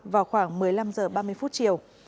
vào khoảng một mươi năm h ba mươi phút chiều